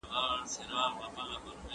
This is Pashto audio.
د رسا صاحب سبک په پښتو ادب کي ځانګړی دی.